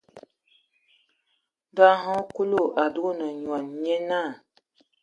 Ndo hm Kúlu a dúgan nyoan, nyé náa.